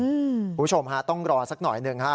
คุณผู้ชมฮะต้องรอสักหน่อยหนึ่งฮะ